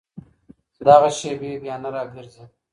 دغه شېبې بیا نه راګرځي.